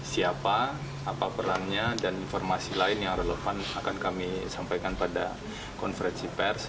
siapa apa perannya dan informasi lain yang relevan akan kami sampaikan pada konferensi pers